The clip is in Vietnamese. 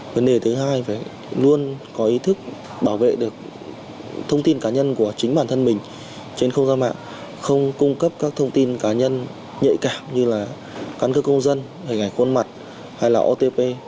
vấn đề thứ hai phải luôn có ý thức bảo vệ được thông tin cá nhân của chính bản thân mình trên không gian mạng không cung cấp các thông tin cá nhân nhạy cảm như là căn cơ công dân hình ảnh khuôn mặt hay là otp